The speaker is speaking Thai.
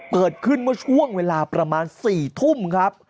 เปิดขึ้นมาช่วงเวลาประมาณ๔๐๐ครับ